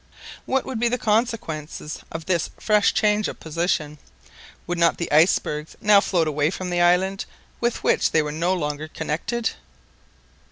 What would be the consequences of this fresh change of position? Would not the icebergs now float away from the island, with which they were no longer connected?